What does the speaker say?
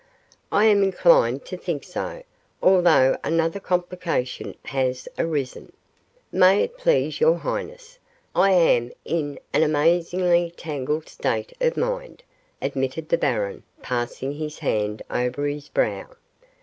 "I am inclined to think so, although another complication has arisen. May it please your highness, I am in an amazingly tangled state of mind," admitted the baron, passing his hand over his brow.